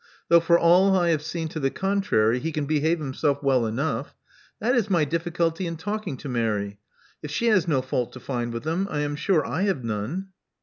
Though for all I have seen to the contrary, he can behave himself well enough. That is my difficulty in talking to Mary. If she has no fault to find with him, I am sure I have none."